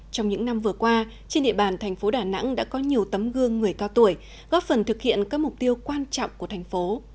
trong những năm vừa qua trên địa bàn thành phố đà nẵng đã có nhiều tấm gương người cao tuổi góp phần thực hiện các mục tiêu quan trọng của thành phố